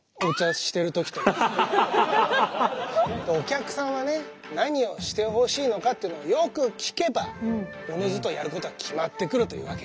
お客さんはね何をしてほしいのかっていうのをよく聞けばおのずとやることは決まってくるというわけ。